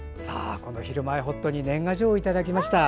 この「ひるまえほっと」に年賀状をいただきました。